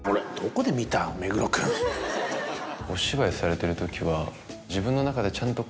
お芝居されてるときは。